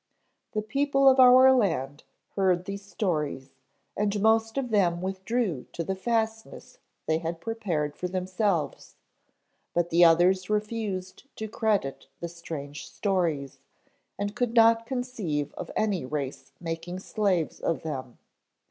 "The people of our land heard these stories and most of them withdrew to the fastness they had prepared for themselves, but the others refused to credit the strange stories and could not conceive of any race making slaves of them.